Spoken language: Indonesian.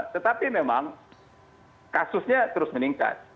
tetapi memang kasusnya terus meningkat